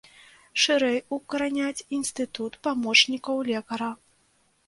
Шырэй укараняць інстытут памочнікаў лекара.